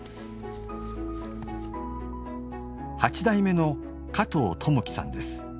８代目の加藤友規さんです。